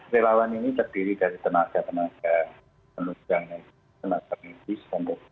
relawan ini terdiri dari tenaga tenaga penelusuran yang tenaga klinis